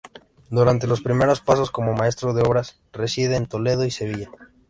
Durante los primeros pasos como Maestro de Obras reside en Toledo y Sevilla.